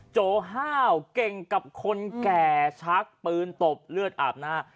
โจห้าวเก่งกับคนแก่ชักปืนตบเลือดอาบหน้า